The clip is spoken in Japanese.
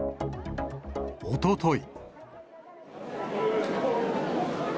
おととい。